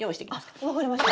あ分かりました。